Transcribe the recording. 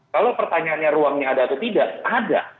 kalau pertanyaannya ruangnya ada atau tidak ada